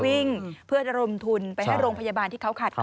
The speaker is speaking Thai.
วิ่งเพื่อระดมทุนไปให้โรงพยาบาลที่เขาขาดการ